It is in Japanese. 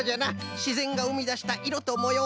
しぜんがうみだしたいろともよう。